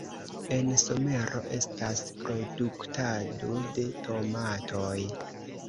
En somero estas produktado de tomatoj.